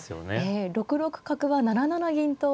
ええ６六角は７七銀と。